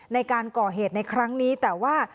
ในการก่อเหตุในครั้งนี้แต่ว่า